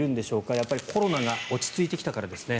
やっぱりコロナが落ち着いてきたからですね。